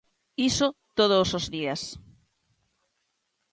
Iso todos os días.